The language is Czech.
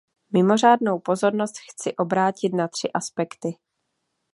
Mimořádnou pozornost chci obrátit na tři aspekty.